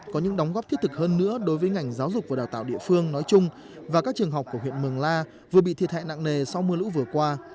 có những đóng góp thiết thực hơn nữa đối với ngành giáo dục và đào tạo địa phương nói chung và các trường học của huyện mường la vừa bị thiệt hại nặng nề sau mưa lũ vừa qua